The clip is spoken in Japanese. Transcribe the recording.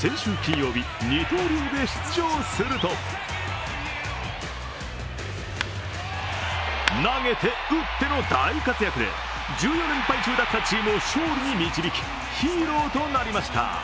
先週金曜日、二刀流で出場すると投げて、打っての大活躍で１４連敗中だったチームを勝利へ導き、ヒーローとなりました。